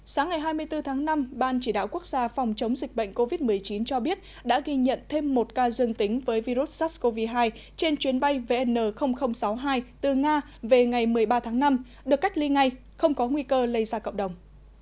sáng ngày hai mươi bốn tháng năm ban chỉ đạo quốc gia phòng chống dịch bệnh covid một mươi chín cho biết đã ghi nhận thêm một ca dương tính với virus sars cov hai trên chuyến bay vn sáu mươi hai từ nga về ngày một mươi ba tháng năm được cách ly ngay không có nguy cơ lây ra cộng đồng